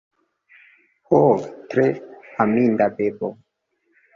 Ho, tre aminda bebo!